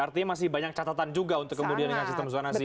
artinya masih banyak catatan juga untuk kemudian dengan sistem zonasi